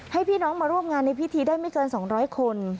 ให้พี่น้องมาร่วมงานในพิธีได้ไม่เกิน๒๐๐คน